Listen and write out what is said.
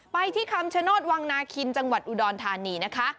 ที่คำชโนธวังนาคินจังหวัดอุดรธานีนะคะ